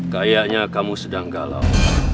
kayaknya kamu sedang galau